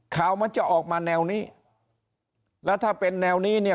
ข่าวมันจะออกมาแนวนี้แล้วถ้าเป็นแนวนี้เนี่ย